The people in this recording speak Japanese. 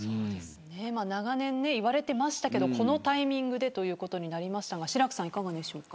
長年言われていましたけどこのタイミングでということになりましたが志らくさん、いかがでしょうか。